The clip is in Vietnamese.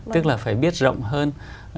tức là phải biết rộng hơn